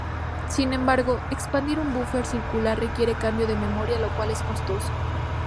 Sin embargo, expandir un buffer circular requiere cambio de memoria, lo cual es costoso.